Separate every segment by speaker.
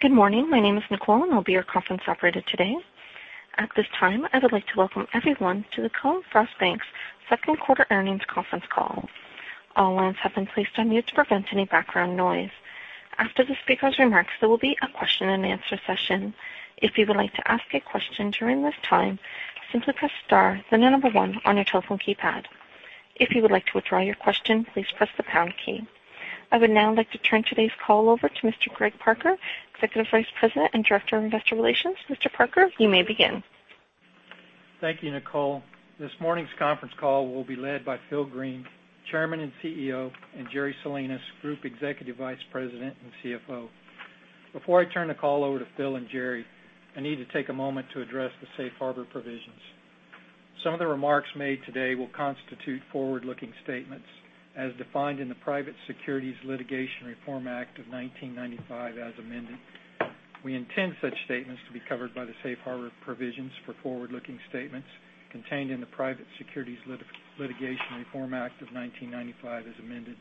Speaker 1: Good morning. My name is Nicole, and I'll be your conference operator today. At this time, I would like to welcome everyone to the Cullen/Frost Bankers second quarter earnings conference call. All lines have been placed on mute to prevent any background noise. After the speaker's remarks, there will be a question-and-answer session. If you would like to ask a question during this time, simply press star, then the number one on your telephone keypad. If you would like to withdraw your question, please press the pound key. I would now like to turn today's call over to Mr. Greg Parker, Executive Vice President and Director of Investor Relations. Mr. Parker, you may begin.
Speaker 2: Thank you, Nicole. This morning's conference call will be led by Phil Green, Chairman and CEO, and Jerry Salinas, Group Executive Vice President and CFO. Before I turn the call over to Phil and Jerry, I need to take a moment to address the safe harbor provisions. Some of the remarks made today will constitute forward-looking statements, as defined in the Private Securities Litigation Reform Act of 1995 as amended. We intend such statements to be covered by the safe harbor provisions for forward-looking statements contained in the Private Securities Litigation Reform Act of 1995 as amended.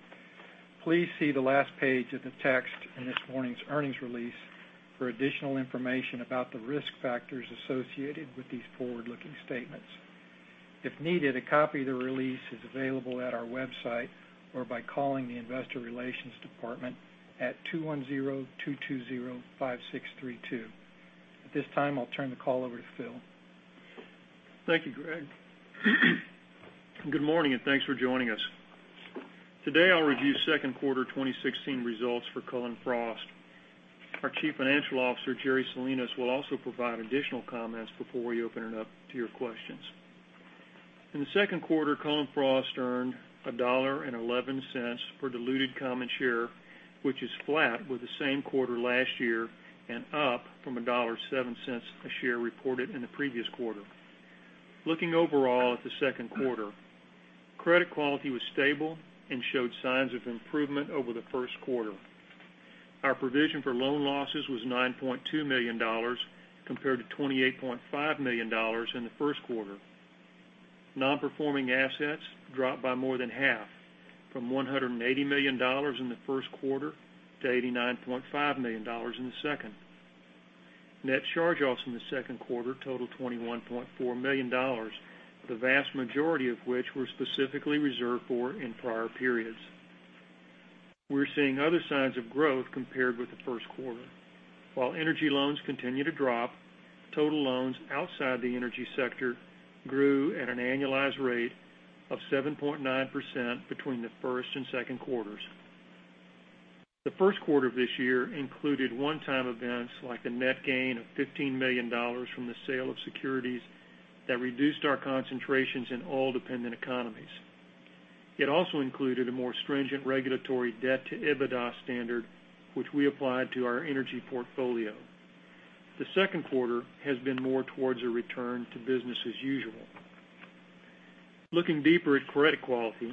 Speaker 2: Please see the last page of the text in this morning's earnings release for additional information about the risk factors associated with these forward-looking statements. If needed, a copy of the release is available at our website or by calling the investor relations department at 210-220-5632. At this time, I'll turn the call over to Phil.
Speaker 3: Thank you, Greg. Good morning, and thanks for joining us. Today, I'll review second quarter 2016 results for Cullen/Frost. Our Chief Financial Officer, Jerry Salinas, will also provide additional comments before we open it up to your questions. In the second quarter, Cullen/Frost earned $1.11 per diluted common share, which is flat with the same quarter last year and up from $1.07 a share reported in the previous quarter. Looking overall at the second quarter, credit quality was stable and showed signs of improvement over the first quarter. Our provision for loan losses was $9.2 million, compared to $28.5 million in the first quarter. Non-performing assets dropped by more than half, from $180 million in the first quarter to $89.5 million in the second. Net charge-offs in the second quarter totaled $21.4 million, the vast majority of which were specifically reserved for in prior periods. We're seeing other signs of growth compared with the first quarter. While energy loans continue to drop, total loans outside the energy sector grew at an annualized rate of 7.9% between the first and second quarters. The first quarter of this year included one-time events like the net gain of $15 million from the sale of securities that reduced our concentrations in oil-dependent economies. It also included a more stringent regulatory debt-to-EBITDA standard, which we applied to our energy portfolio. The second quarter has been more towards a return to business as usual. Looking deeper at credit quality,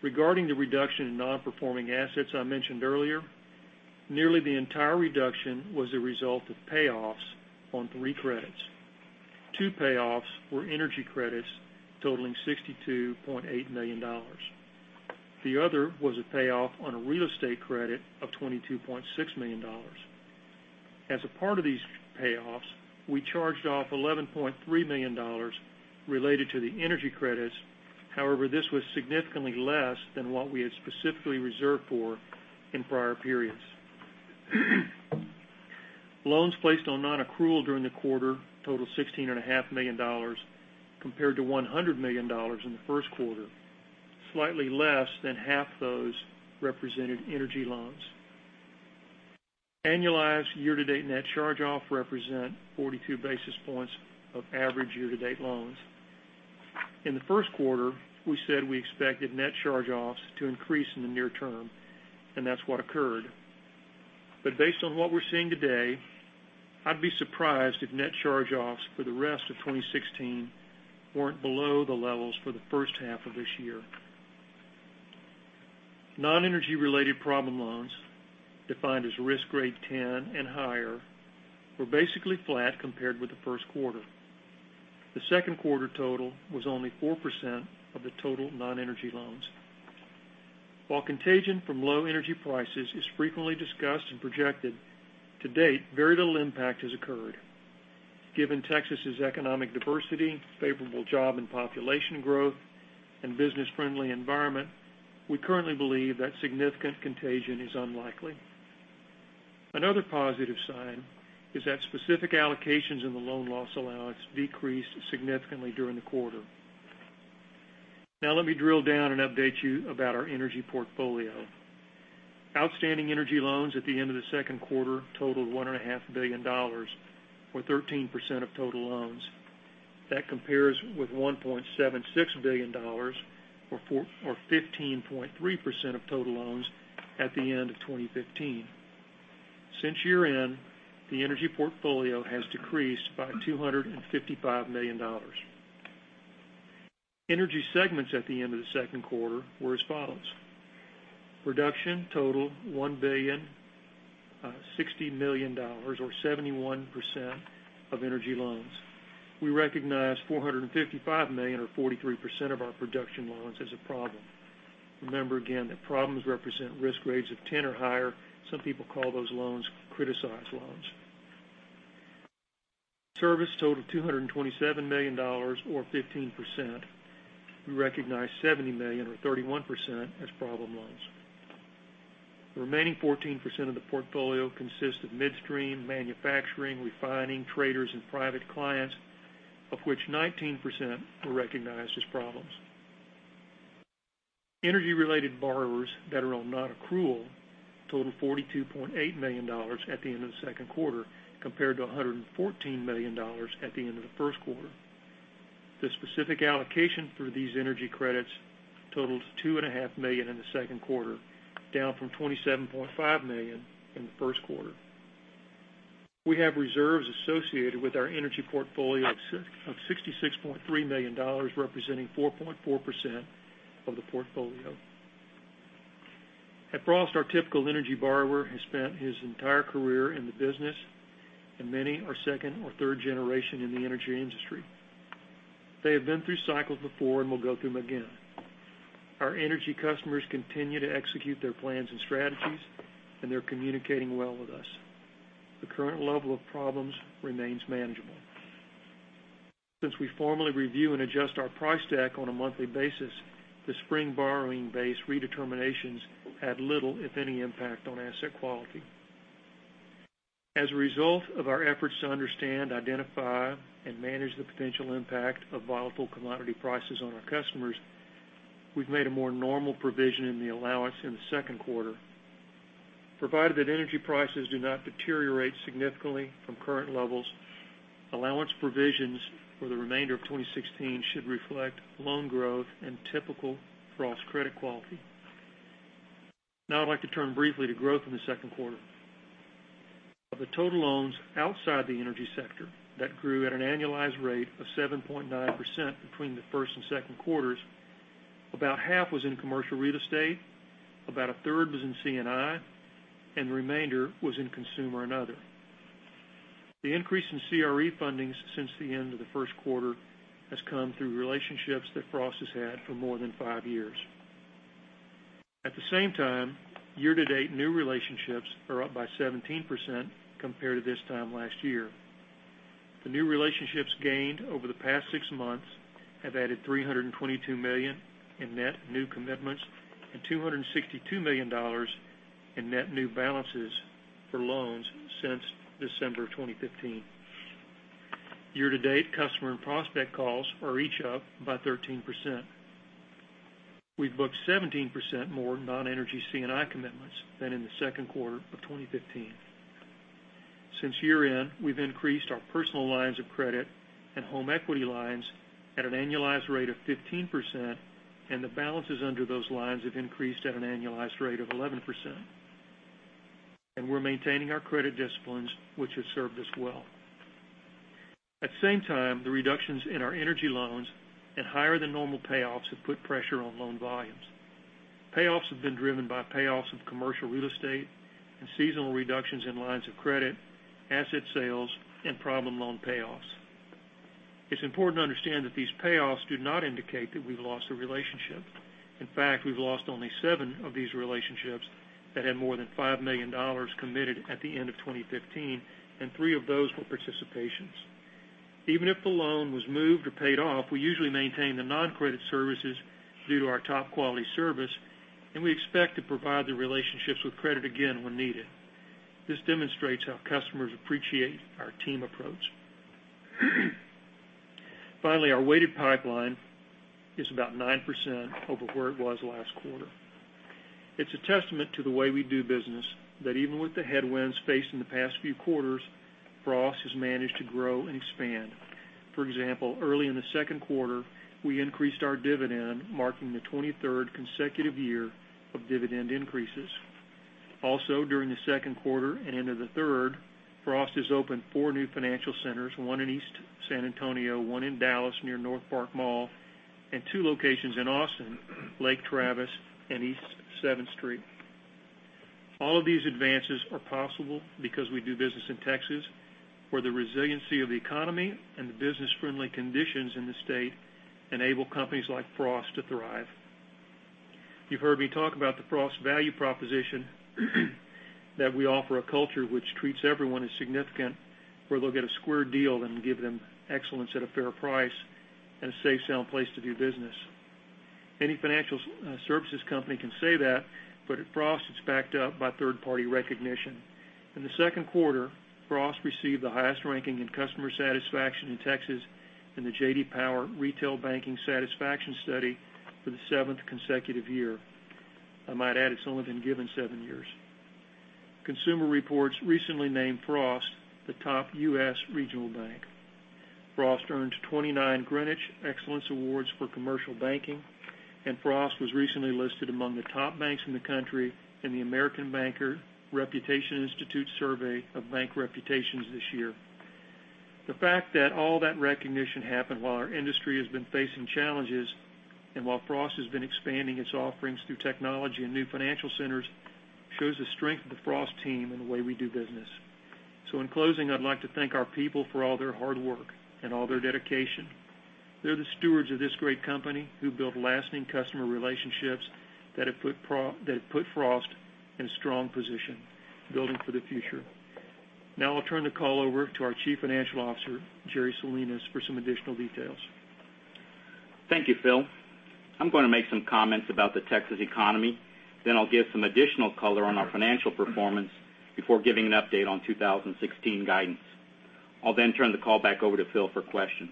Speaker 3: regarding the reduction in non-performing assets I mentioned earlier, nearly the entire reduction was a result of payoffs on three credits. Two payoffs were energy credits totaling $62.8 million. The other was a payoff on a real estate credit of $22.6 million. As a part of these payoffs, we charged off $11.3 million related to the energy credits. However, this was significantly less than what we had specifically reserved for in prior periods. Loans placed on non-accrual during the quarter totaled $16.5 million, compared to $100 million in the first quarter, slightly less than half those represented energy loans. Annualized year-to-date net charge-off represent 42 basis points of average year-to-date loans. In the first quarter, we said we expected net charge-offs to increase in the near term. That's what occurred. Based on what we're seeing today, I'd be surprised if net charge-offs for the rest of 2016 weren't below the levels for the first half of this year. Non-energy related problem loans, defined as risk grade 10 and higher, were basically flat compared with the first quarter. The second quarter total was only 4% of the total non-energy loans. While contagion from low energy prices is frequently discussed and projected, to date, very little impact has occurred. Given Texas' economic diversity, favorable job and population growth, and business-friendly environment, we currently believe that significant contagion is unlikely. Another positive sign is that specific allocations in the loan loss allowance decreased significantly during the quarter. Let me drill down and update you about our energy portfolio. Outstanding energy loans at the end of the second quarter totaled $1.5 billion, or 13% of total loans. That compares with $1.76 billion, or 15.3% of total loans at the end of 2015. Since year-end, the energy portfolio has decreased by $255 million. Energy segments at the end of the second quarter were as follows: production total $1.06 billion, or 71% of energy loans. We recognized $455 million, or 43% of our production loans as a problem. Remember again that problems represent risk grades of 10 or higher. Some people call those loans criticized loans. Service totaled $227 million, or 15%. We recognized $70 million, or 31%, as problem loans. The remaining 14% of the portfolio consists of midstream, manufacturing, refining, traders, and private clients, of which 19% were recognized as problems. Energy-related borrowers that are on non-accrual totaled $42.8 million at the end of the second quarter, compared to $114 million at the end of the first quarter. The specific allocation for these energy credits totaled $2.5 million in the second quarter, down from $27.5 million in the first quarter. We have reserves associated with our energy portfolio of $66.3 million, representing 4.4% of the portfolio. At Frost, our typical energy borrower has spent his entire career in the business, and many are second or third generation in the energy industry. They have been through cycles before and will go through them again. Our energy customers continue to execute their plans and strategies, and they're communicating well with us. The current level of problems remains manageable. Since we formally review and adjust our price stack on a monthly basis, the spring borrowing base redeterminations had little, if any, impact on asset quality. As a result of our efforts to understand, identify, and manage the potential impact of volatile commodity prices on our customers, we've made a more normal provision in the allowance in the second quarter. Provided that energy prices do not deteriorate significantly from current levels, allowance provisions for the remainder of 2016 should reflect loan growth and typical Frost credit quality. I'd like to turn briefly to growth in the second quarter. Of the total loans outside the energy sector that grew at an annualized rate of 7.9% between the first and second quarters, about half was in commercial real estate, about a third was in C&I, and the remainder was in consumer and other. The increase in CRE fundings since the end of the first quarter has come through relationships that Frost has had for more than five years. At the same time, year-to-date new relationships are up by 17% compared to this time last year. The new relationships gained over the past six months have added $322 million in net new commitments and $262 million in net new balances for loans since December 2015. Year-to-date, customer and prospect calls are each up by 13%. We've booked 17% more non-energy C&I commitments than in the second quarter of 2015. Since year-end, we've increased our personal lines of credit and home equity lines at an annualized rate of 15%, and the balances under those lines have increased at an annualized rate of 11%. We're maintaining our credit disciplines, which have served us well. At the same time, the reductions in our energy loans and higher than normal payoffs have put pressure on loan volumes. Payoffs have been driven by payoffs of commercial real estate and seasonal reductions in lines of credit, asset sales, and problem loan payoffs. It's important to understand that these payoffs do not indicate that we've lost a relationship. In fact, we've lost only seven of these relationships that had more than $5 million committed at the end of 2015, and three of those were participations. Even if the loan was moved or paid off, we usually maintain the non-credit services due to our top-quality service, and we expect to provide the relationships with credit again when needed. This demonstrates how customers appreciate our team approach. Finally, our weighted pipeline is about 9% over where it was last quarter. It's a testament to the way we do business that even with the headwinds faced in the past few quarters, Frost has managed to grow and expand. For example, early in the second quarter, we increased our dividend, marking the 23rd consecutive year of dividend increases. Also, during the second quarter and into the third, Frost has opened four new financial centers, one in East San Antonio, one in Dallas near NorthPark Center, and two locations in Austin, Lake Travis and East Seventh Street. All of these advances are possible because we do business in Texas, where the resiliency of the economy and the business-friendly conditions in the state enable companies like Frost to thrive. You've heard me talk about the Frost value proposition, that we offer a culture which treats everyone as significant, where they'll get a square deal and give them excellence at a fair price and a safe, sound place to do business. Any financial services company can say that, but at Frost, it's backed up by third-party recognition. In the second quarter, Frost received the highest ranking in customer satisfaction in Texas in the J.D. Power Retail Banking Satisfaction Study for the seventh consecutive year. I might add, it's only been given seven years. Consumer Reports recently named Frost the top U.S. regional bank. Frost earned 29 Greenwich Excellence Awards for commercial banking, and Frost was recently listed among the top banks in the country in the American Banker Reputation Institute survey of bank reputations this year. The fact that all that recognition happened while our industry has been facing challenges and while Frost has been expanding its offerings through technology and new financial centers shows the strength of the Frost team and the way we do business. In closing, I'd like to thank our people for all their hard work and all their dedication. They're the stewards of this great company who built lasting customer relationships that have put Frost in a strong position, building for the future. Now I'll turn the call over to our Chief Financial Officer, Jerry Salinas, for some additional details.
Speaker 4: Thank you, Phil. I'm going to make some comments about the Texas economy. I'll give some additional color on our financial performance before giving an update on 2016 guidance. I'll turn the call back over to Phil for questions.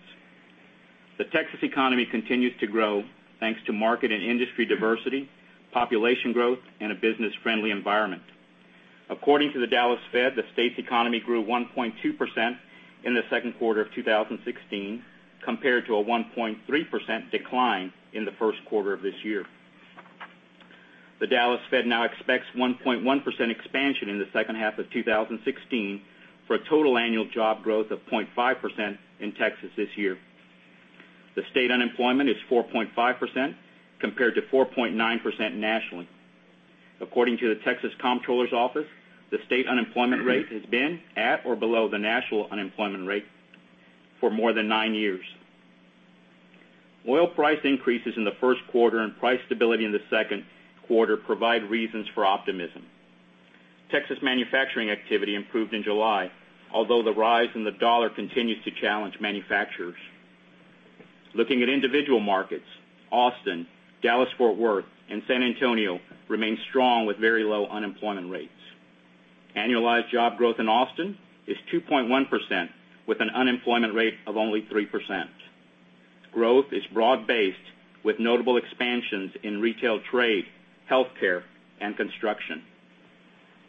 Speaker 4: The Texas economy continues to grow thanks to market and industry diversity, population growth, and a business-friendly environment. According to the Dallas Fed, the state's economy grew 1.2% in the second quarter of 2016, compared to a 1.3% decline in the first quarter of this year. The Dallas Fed now expects 1.1% expansion in the second half of 2016, for a total annual job growth of 0.5% in Texas this year. The state unemployment is 4.5%, compared to 4.9% nationally. According to the Texas Comptroller's Office, the state unemployment rate has been at or below the national unemployment rate for more than nine years. Oil price increases in the first quarter and price stability in the second quarter provide reasons for optimism. Texas manufacturing activity improved in July, although the rise in the dollar continues to challenge manufacturers. Looking at individual markets, Austin, Dallas-Fort Worth, and San Antonio remain strong with very low unemployment rates. Annualized job growth in Austin is 2.1%, with an unemployment rate of only 3%. Growth is broad-based, with notable expansions in retail, trade, healthcare, and construction.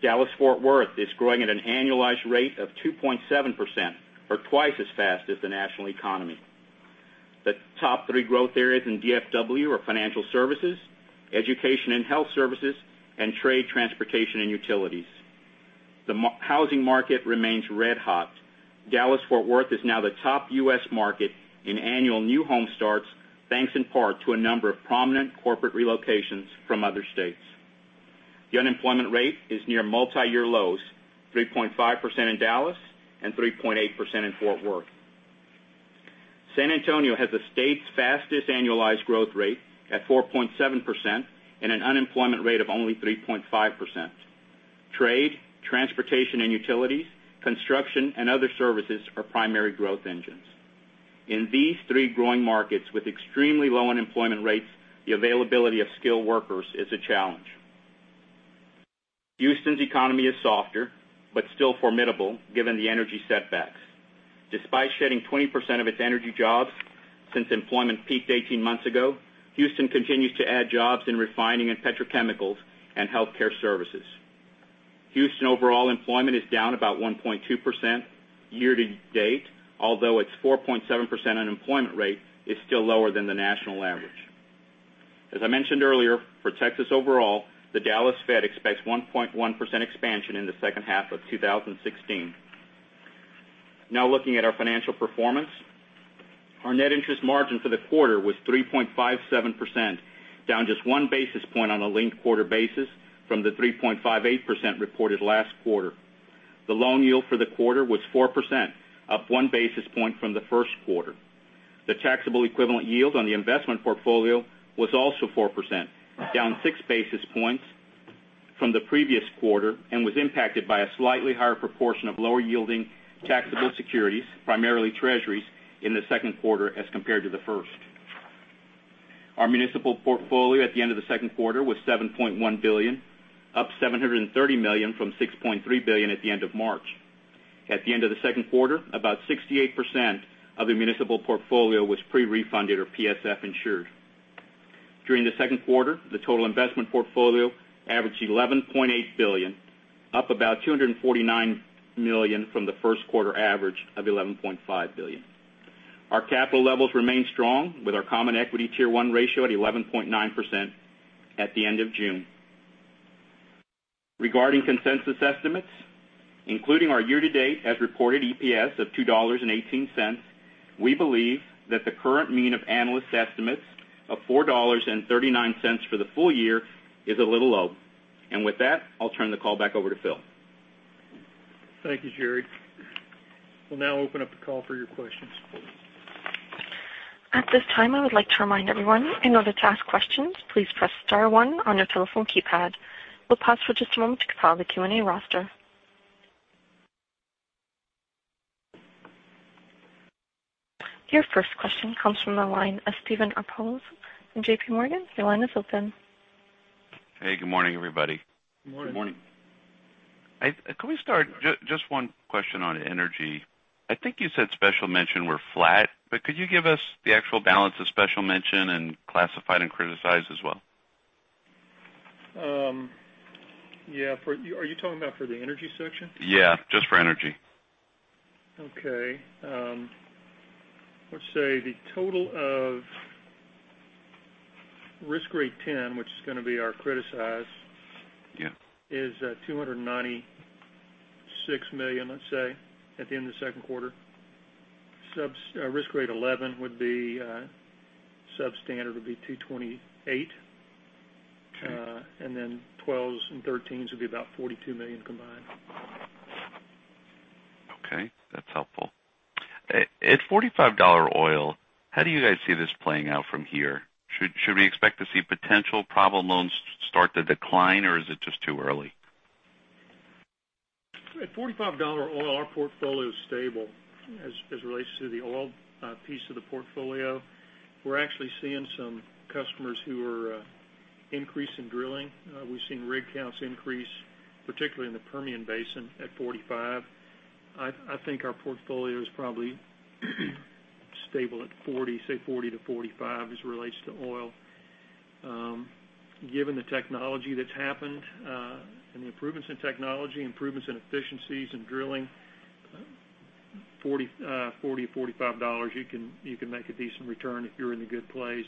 Speaker 4: Dallas-Fort Worth is growing at an annualized rate of 2.7%, or twice as fast as the national economy. The top three growth areas in DFW are financial services, education and health services, and trade, transportation, and utilities. The housing market remains red hot. Dallas-Fort Worth is now the top U.S. market in annual new home starts, thanks in part to a number of prominent corporate relocations from other states. The unemployment rate is near multi-year lows, 3.5% in Dallas and 3.8% in Fort Worth. San Antonio has the state's fastest annualized growth rate at 4.7%, and an unemployment rate of only 3.5%. Trade, transportation and utilities, construction, and other services are primary growth engines. In these three growing markets with extremely low unemployment rates, the availability of skilled workers is a challenge. Houston's economy is softer, but still formidable given the energy setbacks. Despite shedding 20% of its energy jobs since employment peaked 18 months ago, Houston continues to add jobs in refining and petrochemicals and healthcare services. Houston overall employment is down about 1.2% year to date, although its 4.7% unemployment rate is still lower than the national average. As I mentioned earlier, for Texas overall, the Dallas Fed expects 1.1% expansion in the second half of 2016. Looking at our financial performance. Our net interest margin for the quarter was 3.57%, down just one basis point on a linked quarter basis from the 3.58% reported last quarter. The loan yield for the quarter was 4%, up one basis point from the first quarter. The taxable equivalent yield on the investment portfolio was also 4%, down six basis points from the previous quarter, and was impacted by a slightly higher proportion of lower yielding taxable securities, primarily treasuries, in the second quarter as compared to the first. Our municipal portfolio at the end of the second quarter was $7.1 billion, up $730 million from $6.3 billion at the end of March. At the end of the second quarter, about 68% of the municipal portfolio was pre-refunded or PSF insured. During the second quarter, the total investment portfolio averaged $11.8 billion, up about $249 million from the first quarter average of $11.5 billion. Our capital levels remain strong, with our Common Equity Tier 1 ratio at 11.9% at the end of June. Regarding consensus estimates, including our year to date as reported EPS of $2.18, we believe that the current mean of analyst estimates of $4.39 for the full year is a little low. With that, I'll turn the call back over to Phil.
Speaker 3: Thank you, Jerry. We'll now open up the call for your questions.
Speaker 1: At this time, I would like to remind everyone, in order to ask questions, please press *1 on your telephone keypad. We'll pause for just a moment to compile the Q&A roster. Your first question comes from the line of Steven Alexopoulos from JPMorgan. Your line is open.
Speaker 5: Hey, good morning, everybody.
Speaker 3: Good morning.
Speaker 4: Good morning.
Speaker 5: Can we start, just one question on energy. I think you said special mention were flat, but could you give us the actual balance of special mention and classified and criticized as well?
Speaker 3: Yeah. Are you talking about for the energy section?
Speaker 5: Yeah, just for energy.
Speaker 3: Okay. Let's say the total of risk grade 10, which is going to be our criticized-
Speaker 5: Yeah
Speaker 3: is $296 million, let's say, at the end of the second quarter. Risk rate 11 would be substandard, would be $228. '12s and '13s would be about $42 million combined.
Speaker 5: Okay. That's helpful. At $45 oil, how do you guys see this playing out from here? Should we expect to see potential problem loans start to decline, or is it just too early?
Speaker 3: At $45 oil, our portfolio is stable as it relates to the oil piece of the portfolio. We're actually seeing some customers who are increasing drilling. We've seen rig counts increase, particularly in the Permian Basin at $45. I think our portfolio is probably stable at $40 to $45 as it relates to oil. Given the technology that's happened, and the improvements in technology, improvements in efficiencies in drilling, $40 or $45, you can make a decent return if you're in a good place.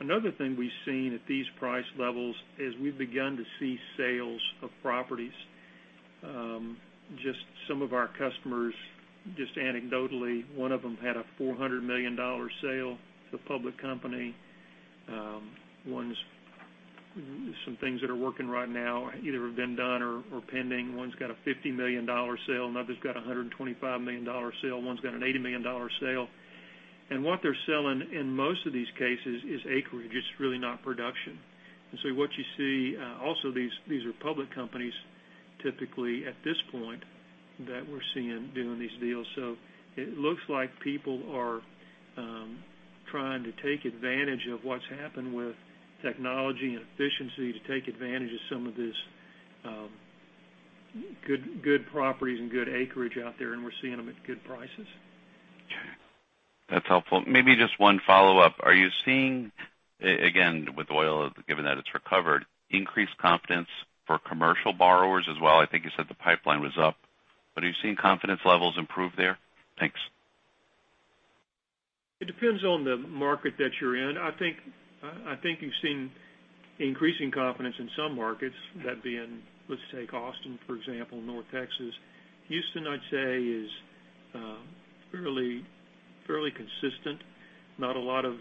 Speaker 3: Another thing we've seen at these price levels is we've begun to see sales of properties. Just some of our customers, just anecdotally, one of them had a $400 million sale to a public company. Some things that are working right now either have been done or are pending. One's got a $50 million sale, another's got a $125 million sale, one's got an $80 million sale. What they're selling in most of these cases is acreage. It's really not production. What you see, also these are public companies, typically, at this point that we're seeing doing these deals. It looks like people are trying to take advantage of what's happened with technology and efficiency to take advantage of some of this good properties and good acreage out there, and we're seeing them at good prices.
Speaker 5: That's helpful. Maybe just one follow-up. Are you seeing, again, with oil, given that it's recovered, increased confidence for commercial borrowers as well? I think you said the pipeline was up, but are you seeing confidence levels improve there? Thanks.
Speaker 3: It depends on the market that you're in. I think you've seen increasing confidence in some markets, that being, let's take Austin, for example, North Texas. Houston, I'd say is fairly consistent. Not a lot of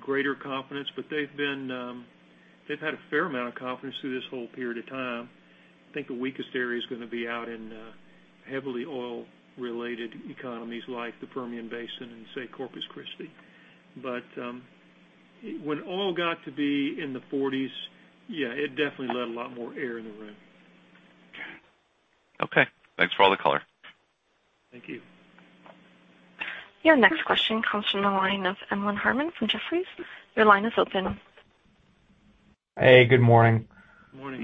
Speaker 3: greater confidence, but they've had a fair amount of confidence through this whole period of time. I think the weakest area is going to be out in heavily oil-related economies like the Permian Basin and, say, Corpus Christi. When oil got to be in the 40s, yeah, it definitely let a lot more air in the room.
Speaker 5: Okay. Thanks for all the color.
Speaker 3: Thank you.
Speaker 1: Your next question comes from the line of Emlen Harmon from Jefferies. Your line is open.
Speaker 6: Hey, good morning.
Speaker 3: Morning.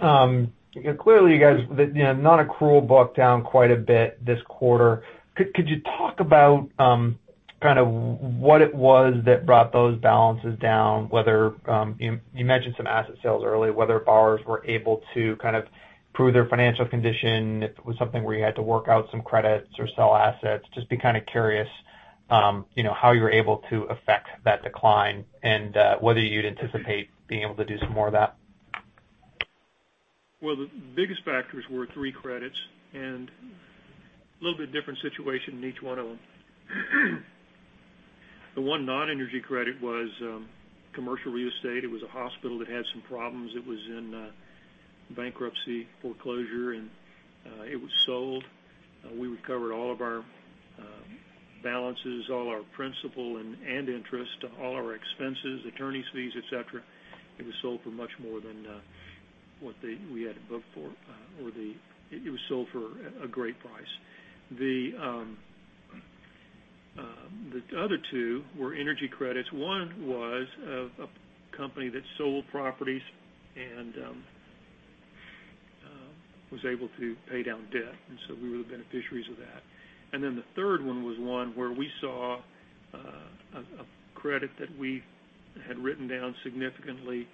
Speaker 4: Morning.
Speaker 6: Clearly, you guys, non-accrual booked down quite a bit this quarter. Could you talk about what it was that brought those balances down, whether, you mentioned some asset sales earlier, whether borrowers were able to kind of prove their financial condition, if it was something where you had to work out some credits or sell assets? Just be kind of curious how you were able to affect that decline and whether you'd anticipate being able to do some more of that.
Speaker 3: The biggest factors were three credits and a little bit different situation in each one of them. The one non-energy credit was commercial real estate. It was a hospital that had some problems. It was in bankruptcy foreclosure, and it was sold. We recovered all of our balances, all our principal and interest, all our expenses, attorney's fees, et cetera. It was sold for much more than what we had it booked for, or it was sold for a great price. The other two were energy credits. One was a company that sold properties and was able to pay down debt, and so we were the beneficiaries of that. The third one was one where we saw a credit that we had written down significantly,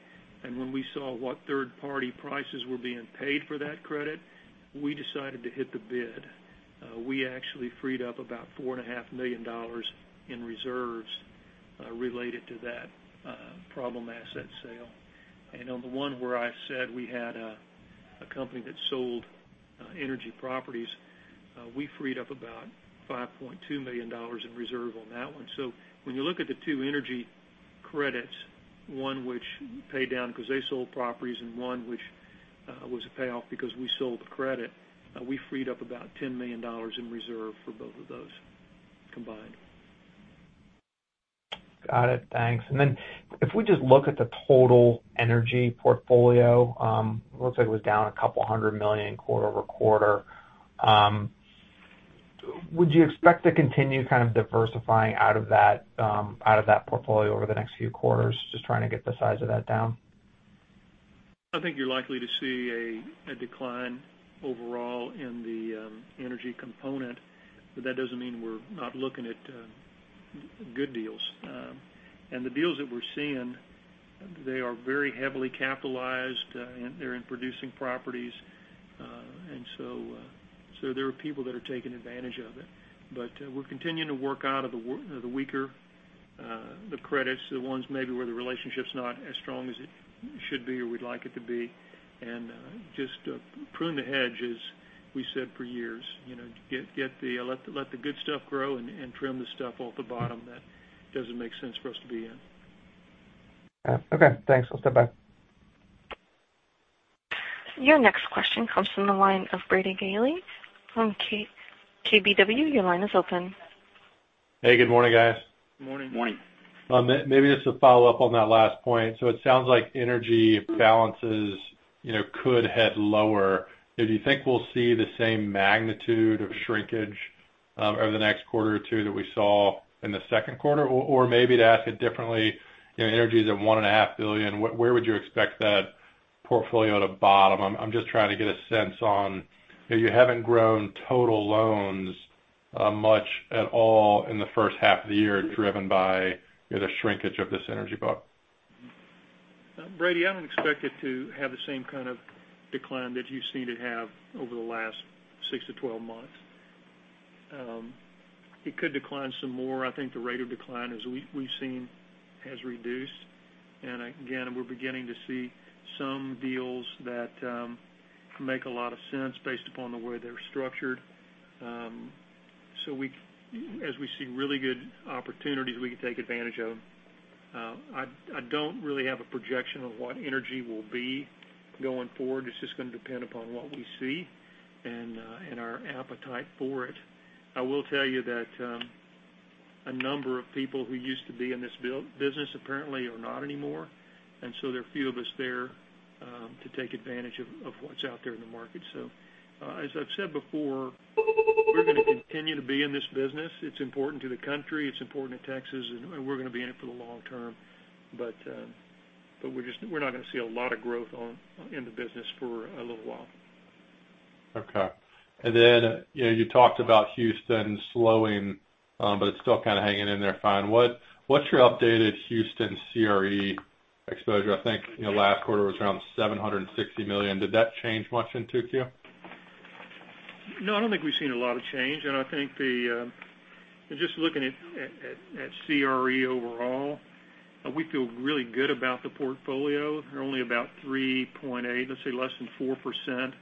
Speaker 3: and when we saw what third-party prices were being paid for that credit, we decided to hit the bid. We actually freed up about $4.5 million in reserves related to that problem asset sale. On the one where I said we had a company that sold energy properties, we freed up about $5.2 million in reserve on that one. When you look at the two energy credits, one which paid down because they sold properties and one which was a payoff because we sold the credit, we freed up about $10 million in reserve for both of those combined.
Speaker 6: Got it, thanks. If we just look at the total energy portfolio, it looks like it was down a couple hundred million quarter-over-quarter. Would you expect to continue kind of diversifying out of that portfolio over the next few quarters, just trying to get the size of that down?
Speaker 3: I think you're likely to see a decline overall in the energy component, but that doesn't mean we're not looking at good deals. The deals that we're seeing, they are very heavily capitalized, and they're in producing properties. There are people that are taking advantage of it. We're continuing to work out of the weaker credits, the ones maybe where the relationship's not as strong as it should be or we'd like it to be, and just prune the hedges. We said for years, let the good stuff grow and trim the stuff off the bottom that doesn't make sense for us to be in.
Speaker 6: Okay, thanks. I'll step back.
Speaker 1: Your next question comes from the line of Brady Gailey from KBW. Your line is open.
Speaker 7: Hey, good morning, guys.
Speaker 3: Morning.
Speaker 4: Morning.
Speaker 7: Maybe just to follow up on that last point. It sounds like energy balances could head lower. Do you think we'll see the same magnitude of shrinkage over the next quarter or two that we saw in the second quarter? Maybe to ask it differently, energy's at $1.5 billion. Where would you expect that portfolio to bottom? I'm just trying to get a sense on, you haven't grown total loans much at all in the first half of the year, driven by the shrinkage of this energy book.
Speaker 3: Brady, I wouldn't expect it to have the same kind of decline that you've seen it have over the last six to 12 months. It could decline some more. I think the rate of decline, as we've seen, has reduced. Again, we're beginning to see some deals that make a lot of sense based upon the way they're structured. As we see really good opportunities, we can take advantage of them. I don't really have a projection of what energy will be going forward. It's just going to depend upon what we see and our appetite for it. I will tell you that a number of people who used to be in this business apparently are not anymore, there are few of us there to take advantage of what's out there in the market. As I've said before, we're going to continue to be in this business. It's important to the country. It's important to Texas, and we're going to be in it for the long term. We're not going to see a lot of growth in the business for a little while.
Speaker 7: Okay. You talked about Houston slowing, it's still kind of hanging in there fine. What's your updated Houston CRE exposure? I think last quarter was around $760 million. Did that change much in 2Q?
Speaker 3: No, I don't think we've seen a lot of change. I think just looking at CRE overall, we feel really good about the portfolio. Only about 3.8%, let's say less than 4%,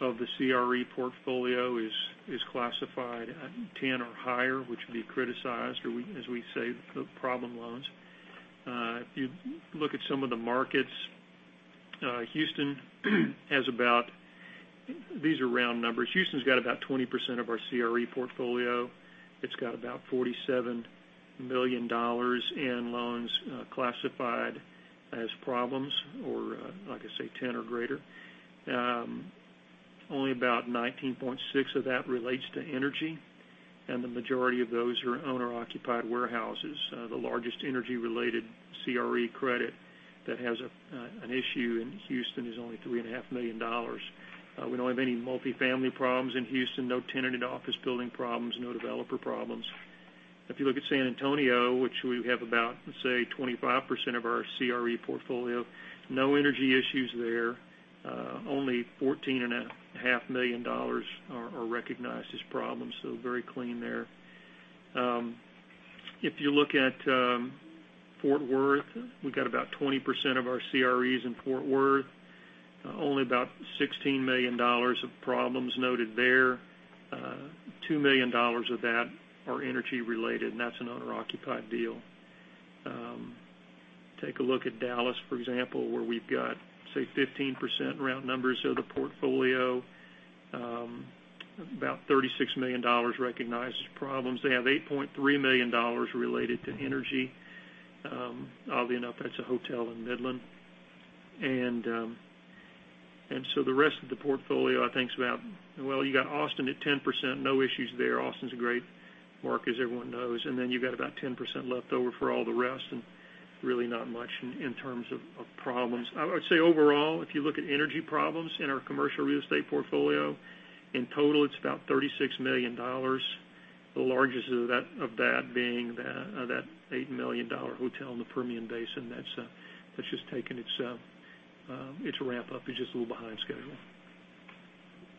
Speaker 3: of the CRE portfolio is classified 10 or higher, which would be criticized, or as we say, the problem loans. If you look at some of the markets, Houston has about. These are round numbers. Houston's got about 20% of our CRE portfolio. It's got about $47 million in loans classified as problems or like I say, 10 or greater. Only about 19.6% of that relates to energy, and the majority of those are owner-occupied warehouses. The largest energy-related CRE credit that has an issue in Houston is only $3.5 million. We don't have any multifamily problems in Houston, no tenanted office building problems, no developer problems. If you look at San Antonio, which we have about, let's say, 25% of our CRE portfolio, no energy issues there. Only $14.5 million are recognized as problems, so very clean there. If you look at Fort Worth, we've got about 20% of our CREs in Fort Worth. Only about $16 million of problems noted there. $2 million of that are energy-related, and that's an owner-occupied deal. Take a look at Dallas, for example, where we've got, say, 15% round numbers of the portfolio. About $36 million recognized as problems. They have $8.3 million related to energy. Oddly enough, that's a hotel in Midland. The rest of the portfolio, I think is about. Well, you got Austin at 10%, no issues there. Austin's a great market as everyone knows. Then you've got about 10% left over for all the rest and really not much in terms of problems. I would say overall, if you look at energy problems in our commercial real estate portfolio, in total, it's about $36 million. The largest of that being that $8 million hotel in the Permian Basin. That's just taking its ramp-up. It's just a little behind schedule.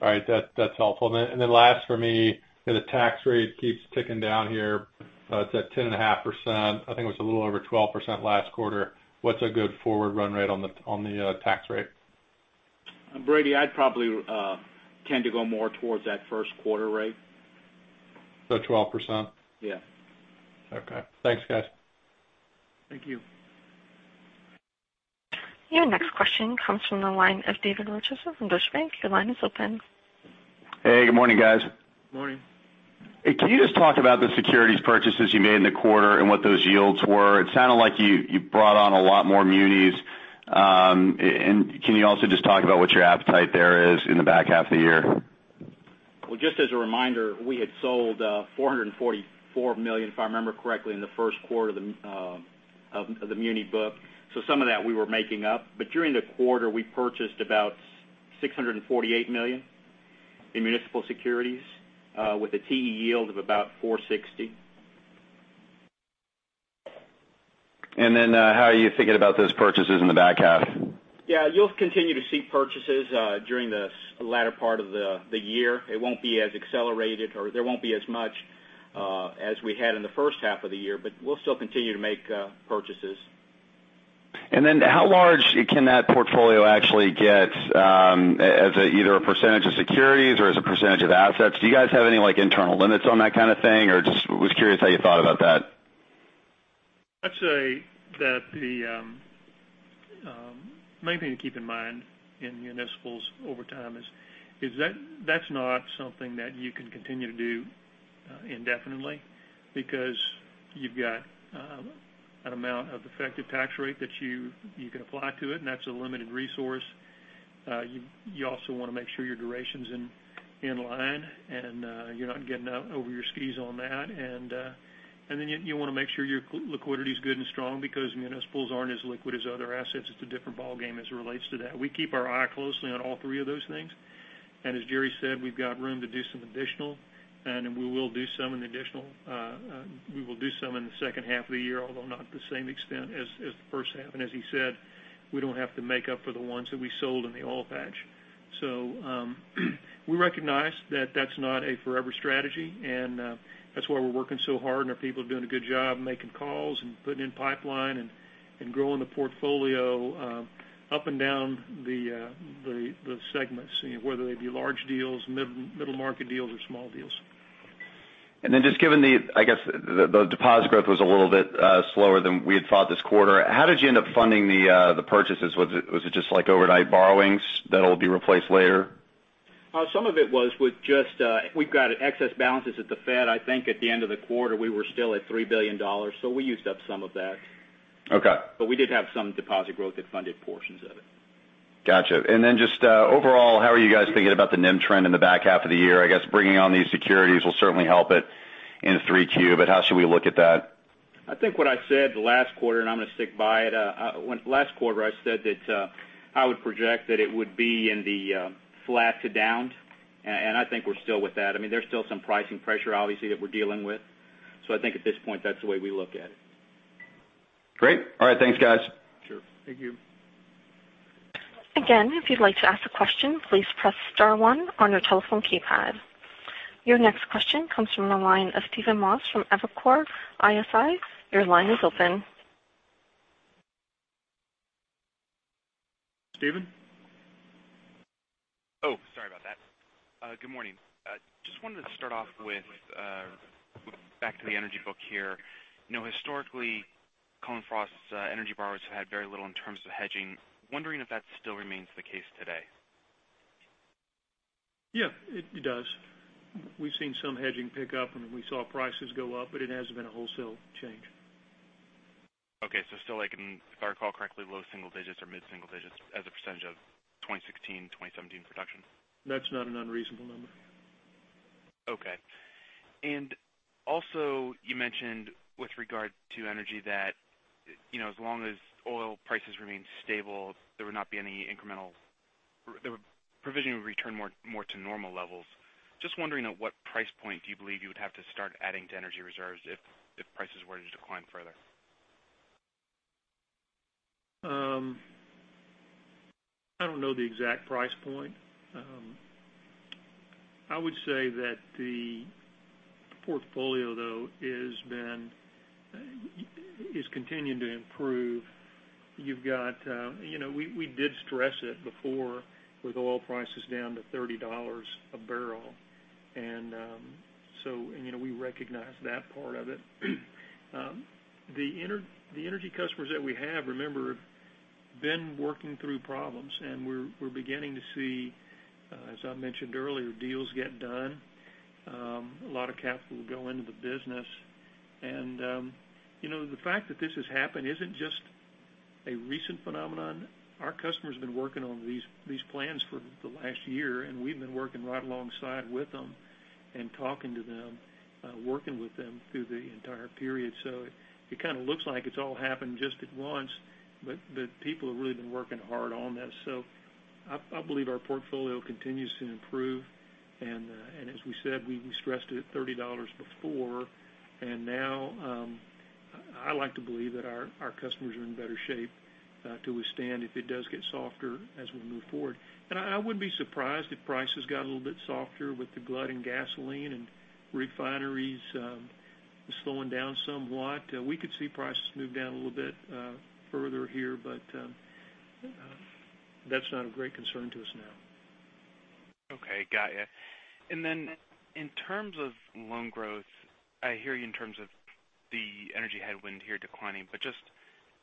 Speaker 7: All right. That's helpful. Then last for me, the tax rate keeps ticking down here. It's at 10.5%. I think it was a little over 12% last quarter. What's a good forward run rate on the tax rate?
Speaker 4: Brady, I'd probably tend to go more towards that first quarter rate.
Speaker 7: 12%?
Speaker 4: Yeah.
Speaker 7: Okay. Thanks, guys.
Speaker 3: Thank you.
Speaker 1: Your next question comes from the line of Dave Rochester from Deutsche Bank. Your line is open.
Speaker 8: Hey, good morning, guys.
Speaker 3: Morning.
Speaker 8: Can you just talk about the securities purchases you made in the quarter and what those yields were? It sounded like you brought on a lot more munis. Can you also just talk about what your appetite there is in the back half of the year?
Speaker 4: Well, just as a reminder, we had sold $444 million, if I remember correctly, in the first quarter of the muni book. Some of that we were making up. During the quarter, we purchased about $648 million in municipal securities with a TE yield of about 4.60%.
Speaker 8: How are you thinking about those purchases in the back half?
Speaker 4: Yeah, you'll continue to see purchases during the latter part of the year. It won't be as accelerated, or there won't be as much as we had in the first half of the year, we'll still continue to make purchases.
Speaker 8: How large can that portfolio actually get as either a percentage of securities or as a percentage of assets? Do you guys have any internal limits on that kind of thing, or just was curious how you thought about that.
Speaker 3: I'd say that the main thing to keep in mind in municipals over time is that's not something that you can continue to do indefinitely because you've got an amount of effective tax rate that you can apply to it, and that's a limited resource. You also want to make sure your duration's in line and you're not getting out over your skis on that. You want to make sure your liquidity is good and strong because municipals aren't as liquid as other assets. It's a different ballgame as it relates to that. We keep our eye closely on all three of those things. As Jerry said, we've got room to do some additional, and we will do some in the second half of the year, although not to the same extent as the first half. As he said, we don't have to make up for the ones that we sold in the oil patch. We recognize that that's not a forever strategy, and that's why we're working so hard and our people are doing a good job making calls and putting in pipeline and growing the portfolio up and down the segments, whether they be large deals, middle-market deals, or small deals.
Speaker 8: Just given the, I guess, the deposit growth was a little bit slower than we had thought this quarter. How did you end up funding the purchases? Was it just overnight borrowings that'll be replaced later?
Speaker 4: Some of it was with just we've got excess balances at the Fed. I think at the end of the quarter, we were still at $3 billion. We used up some of that.
Speaker 8: Okay.
Speaker 4: We did have some deposit growth that funded portions of it.
Speaker 8: Got you. Just overall, how are you guys thinking about the NIM trend in the back half of the year? I guess bringing on these securities will certainly help it in 3Q, how should we look at that?
Speaker 4: I think what I said last quarter, I'm going to stick by it. Last quarter, I said that I would project that it would be in the flat to down. I think we're still with that. There's still some pricing pressure, obviously, that we're dealing with. I think at this point, that's the way we look at it.
Speaker 8: Great. All right. Thanks, guys.
Speaker 3: Sure. Thank you.
Speaker 1: Again, if you'd like to ask a question, please press star one on your telephone keypad. Your next question comes from the line of Steven Moss from Evercore ISI. Your line is open.
Speaker 3: Steven?
Speaker 9: Oh, sorry about that. Good morning. Just wanted to start off with back to the energy book here. Historically, Cullen/Frost's energy borrowers had very little in terms of hedging. Wondering if that still remains the case today.
Speaker 3: It does. We've seen some hedging pick up, and we saw prices go up, but it hasn't been a wholesale change.
Speaker 9: Still, if I recall correctly, low single digits or mid single digits as a % of 2016, 2017 production.
Speaker 3: That's not an unreasonable number.
Speaker 9: You mentioned with regard to energy that as long as oil prices remain stable, there would not be any provision would return more to normal levels. I am just wondering at what price point do you believe you would have to start adding to energy reserves if prices were to decline further?
Speaker 3: I don't know the exact price point. I would say that the portfolio, though, is continuing to improve. We did stress it before with oil prices down to $30 a barrel, and we recognize that part of it. The energy customers that we have, remember, have been working through problems, and we're beginning to see, as I mentioned earlier, deals get done. A lot of capital go into the business. The fact that this has happened isn't just a recent phenomenon. Our customers have been working on these plans for the last year, and we've been working right alongside with them and talking to them, working with them through the entire period. It kind of looks like it's all happened just at once, but people have really been working hard on this. I believe our portfolio continues to improve. As we said, we stressed it at $30 before. Now, I like to believe that our customers are in better shape to withstand if it does get softer as we move forward. I wouldn't be surprised if prices got a little bit softer with the glut in gasoline and refineries slowing down somewhat. We could see prices move down a little bit further here, but that's not of great concern to us now.
Speaker 9: Okay, got you. In terms of loan growth, I hear you in terms of the energy headwind here declining, but just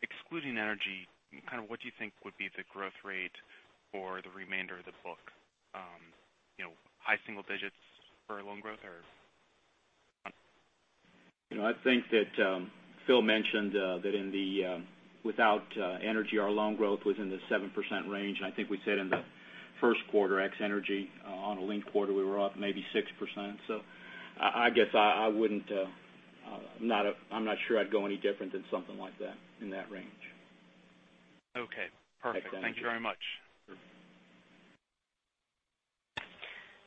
Speaker 9: excluding energy, kind of what do you think would be the growth rate for the remainder of the book? High single digits for loan growth or?
Speaker 4: I think that Phil mentioned that without energy, our loan growth was in the 7% range, and I think we said in the first quarter, ex energy on a linked quarter, we were up maybe 6%. I guess I'm not sure I'd go any different than something like that in that range.
Speaker 9: Okay, perfect. Thank you very much.
Speaker 3: Sure.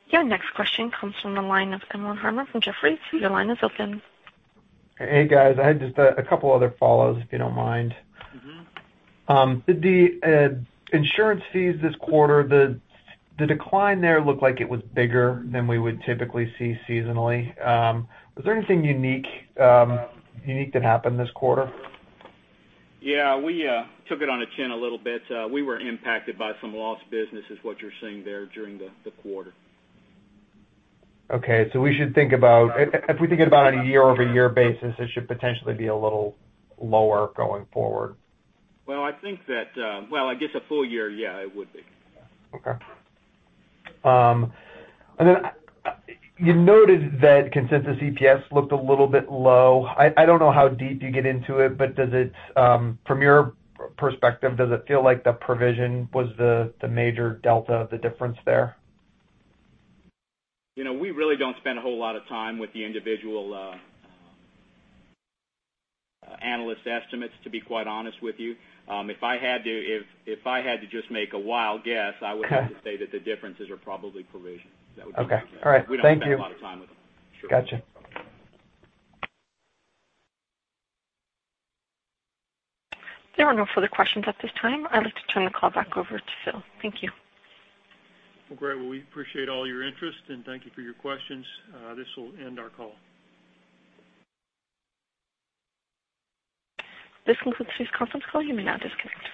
Speaker 1: Your next question comes from the line of Emlen Harmon from Jefferies. Your line is open.
Speaker 6: Hey, guys. I had just a couple other follow-ups, if you don't mind. The insurance fees this quarter, the decline there looked like it was bigger than we would typically see seasonally. Was there anything unique that happened this quarter?
Speaker 4: Yeah, we took it on the chin a little bit. We were impacted by some lost business is what you're seeing there during the quarter.
Speaker 6: Okay, if we think about it on a year-over-year basis, it should potentially be a little lower going forward.
Speaker 4: Well, I guess a full year, yeah, it would be.
Speaker 6: Okay. You noted that consensus EPS looked a little bit low. I don't know how deep you get into it, but from your perspective, does it feel like the provision was the major delta of the difference there?
Speaker 4: We really don't spend a whole lot of time with the individual analyst estimates, to be quite honest with you. If I had to just make a wild guess, I would have to say that the differences are probably provision. That would be my guess.
Speaker 6: Okay. All right. Thank you.
Speaker 4: We don't spend a lot of time with them.
Speaker 6: Sure. Got you.
Speaker 1: There are no further questions at this time. I'd like to turn the call back over to Phil. Thank you.
Speaker 3: Well, great. Well, we appreciate all your interest, and thank you for your questions. This will end our call.
Speaker 1: This concludes today's conference call. You may now disconnect.